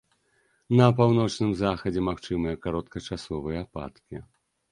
На паўночным захадзе магчымыя кароткачасовыя ападкі.